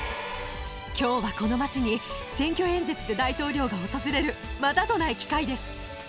きょうはこの町に選挙演説で大統領が訪れる、またとない機会です。